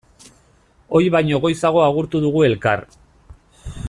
Ohi baino goizago agurtu dugu elkar.